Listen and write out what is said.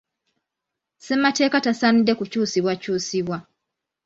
Ssemateeka tasaanide kukyusibwakyusibwa.